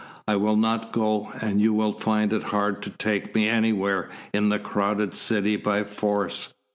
I will not go, and you will find it hard to take me anywhere in the crowded city by force.